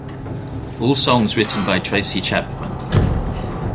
All songs written by Tracy Chapman.